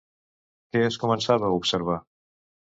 Què es començava a observar?